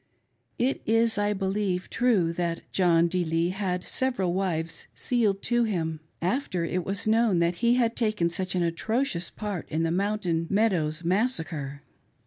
It is, I believe, true that John D. Lee had several wives sealed to him after it was known that he had taken such an atrocious part in the Mountain Meadows' Massacre.